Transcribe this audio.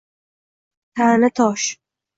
Ta’na tosh.